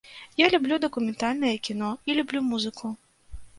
Я люблю дакументальнае кіно і люблю музыку.